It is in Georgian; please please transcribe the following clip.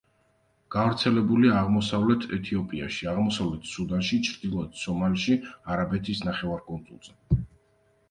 გავრცელებულია აღმოსავლეთ ეთიოპიაში, აღმოსავლეთ სუდანში, ჩრდილოეთ სომალიში, არაბეთის ნახევარკუნძულზე.